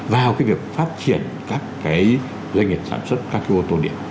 vào cái việc phát triển các cái doanh nghiệp sản xuất các cái ô tô điện